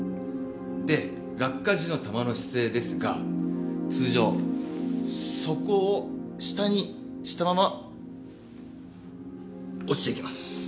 で落下時の弾の姿勢ですが通常底を下にしたまま落ちてきます。